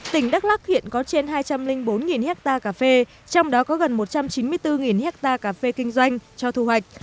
tỉnh đắk lắc hiện có trên hai trăm linh bốn hectare cà phê trong đó có gần một trăm chín mươi bốn hectare cà phê kinh doanh cho thu hoạch